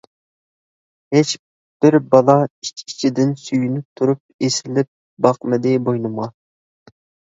ھېچبىر بالا ئىچ ئىچىدىن، سۆيۈنۈپ تۇرۇپ، ئېسىلىپ باقمىدى بوينۇمغا.